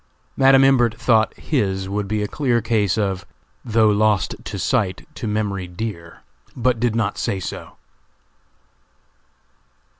Madam Imbert thought his would be a clear case of "Though lost to sight, to memory dear," but did not say so.